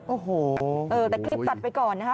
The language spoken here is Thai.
โอ้โหแต่คลิปตัดไปก่อนนะคะ